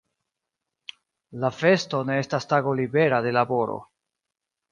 La festo ne estas tago libera de laboro.